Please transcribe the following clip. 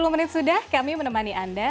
ya tiga puluh menit sudah kami menemani anda